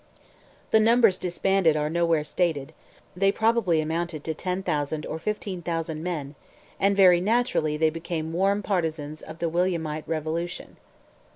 The numbers disbanded are nowhere stated; they probably amounted to 10,000 or 15,000 men and very naturally they became warm partisans of the Williamite revolution.